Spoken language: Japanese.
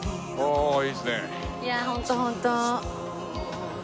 いやホントホント。